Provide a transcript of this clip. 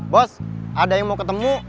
bos ada yang mau ketemu